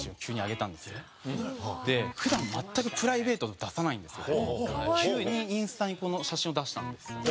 普段全くプライベートを出さないんですけど急にインスタにこの写真を出したんですよ。